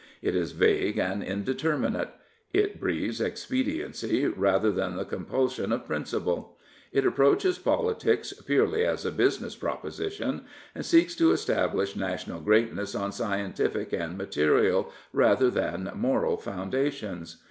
It is vague and indeterminate. It breathes expediency rather than the compulsion of principle. It approaches politics purely as a business proposition, and seeks to establish national greatness on scientific and material rather than moral founda tions.